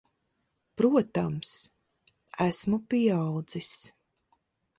Protams. Esmu pieaudzis.